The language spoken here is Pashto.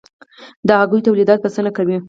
د هګیو تولیدات بسنه کوي؟